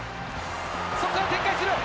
そこから展開する。